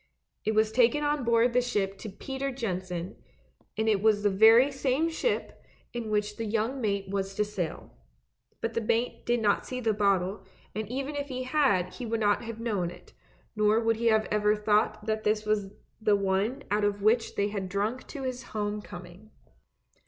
It was taken on board the ship to Peter Jensen, and it was the very same ship in which the young mate was to sail. But the mate did not see the bottle, and even if he had he would not have known it, nor would he ever have thought that it was the one out of which they had drunk to his home coming.